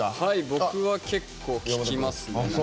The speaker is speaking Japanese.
僕は結構聞きますね。